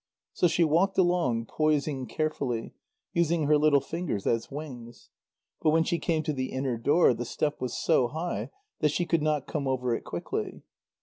So she walked along, poising carefully, using her little fingers as wings. But when she came to the inner door, the step was so high, that she could not come over it quickly.